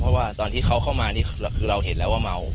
เพราะว่าตอนที่เขาเข้ามานี่คือเราเห็นแล้วว่าเมา